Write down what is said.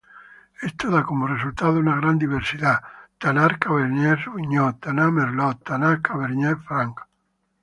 Esto da como resultado una gran diversidad; Tannat-Cabernet Sauvignon, Tannat-Merlot, Tannat-Cabernet Franc.